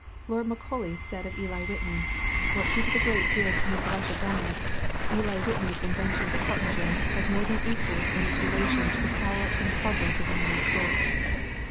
Lord Macaulay said of Eli Whitney: 'What Peter the Great did to make Russia dominant, Eli Whitney's invention of the cotton gin has more than equaled in its relation to the power and progress of the United States.'